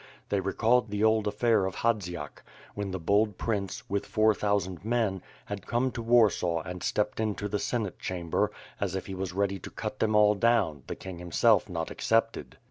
They recalled the old affair of Hadziach; when the bold prince, with four thousand' men, had come to Warsaw and stepped into the Senate chamber, as if he was ready to cut them all down, the king himself not excepted.